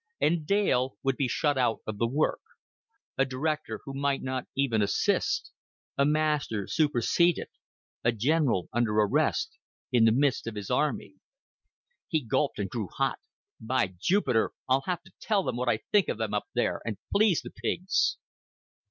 And Dale would be shut out of the work a director who might not even assist, a master superseded, a general under arrest in the midst of his army. He gulped and grew hot. "By Jupiter! I'll have to tell them what I think of them up there, and please the pigs!"